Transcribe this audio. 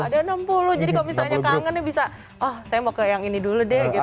jadi kalau misalnya kangen bisa oh saya mau ke yang ini dulu deh gitu kan